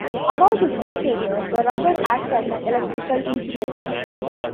Above this temperature, the rubber acts as an electrical insulator.